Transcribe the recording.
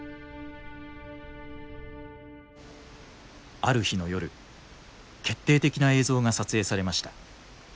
ある日の夜決定的な映像が撮影されました。